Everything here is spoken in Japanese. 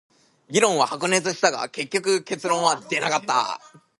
議論は白熱したが、結局結論は出なかった。